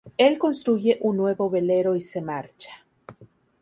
Él construye un nuevo velero y se marcha.